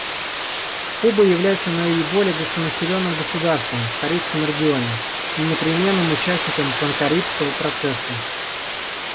Куба является наиболее густонаселенным государством в Карибском регионе и непременным участником панкарибского процесса.